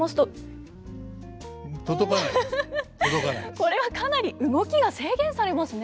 これはかなり動きが制限されますね。